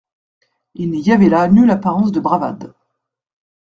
Il n'y avait là nulle apparence de bravade.